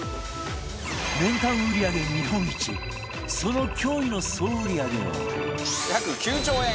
年間売り上げ日本一その驚異の総売り上げはバカリズム：約９兆円。